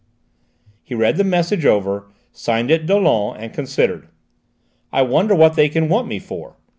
He read the message over, signed it "Dollon" and considered. "I wonder what they can want me for?